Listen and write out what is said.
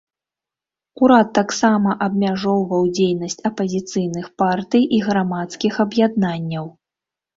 Урад таксама абмяжоўваў дзейнасць апазіцыйных партый і грамадскіх аб'яднанняў.